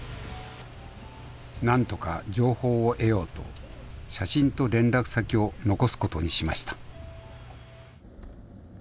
なんとか情報を得ようと写真と連絡先を残すことにしました。